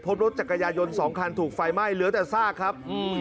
รถจักรยายนสองคันถูกไฟไหม้เหลือแต่ซากครับ